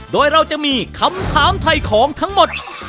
โดยเราจะมีคำถามถ่ายของทั้งหมด